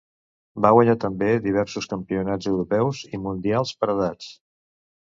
Va guanyar també diversos campionats europeus i mundials per edats.